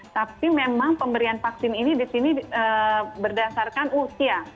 tapi memang pemberian vaksin ini disini berdasarkan usia